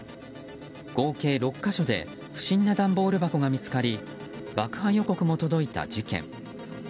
合計６か所で不審な段ボール箱が見つかり爆破予告も届いた事件。